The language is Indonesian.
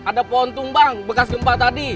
ada pohon tumbang bekas gempa tadi